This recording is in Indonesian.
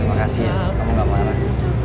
terima kasih ya kamu gak marah